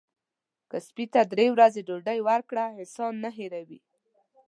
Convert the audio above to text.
که سپي ته درې ورځې ډوډۍ ورکړه احسان نه هیروي.